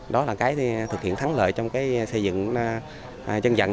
đó là cái thực hiện thắng lợi trong cái xây dựng chân dận